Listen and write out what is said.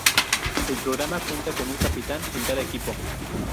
El programa cuenta con un capitán en cada equipo.